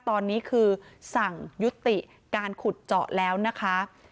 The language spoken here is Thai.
ตอนนี้คือสั่งยุติการขุดเจาะแล้วนะคะ